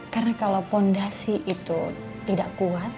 karena kalau fondasi itu tidak kuat